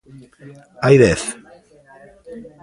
Hai dez.